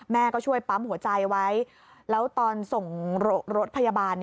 แม่ก็ช่วยปั๊มหัวใจไว้แล้วตอนส่งรถพยาบาล